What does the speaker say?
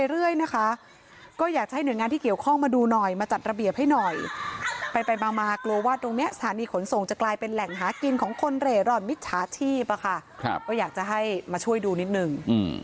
เรื่อยนะคะก็อยากให้หน่วยงานที่เกี่ยวข้องมาดูหน่อยมาจัดระเบียบให้หน่อยไปมากลัวว่าตรงนี้สถานีขนส่งจะกลายเป็นแหล่งหากินของคนเร่ร่อนมิจฉาชีพอะค่ะก็อยากจะให้มาช่วยดูนิดนึง